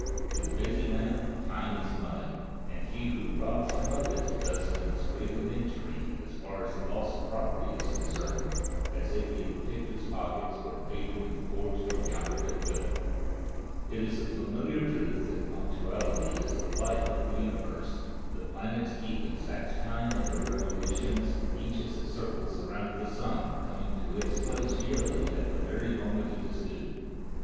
To the busy man time is money, and he who robs him of it does him as great an injury, as far as loss of property is concerned, as if he had picked his pockets or paid him with a forged or counterfeit bill. It is a familiar truth that punctuality is the life of the universe. The planets keep exact time in their revolutions, each as it circles around the sun coming to its place yearly at the very moment it is due.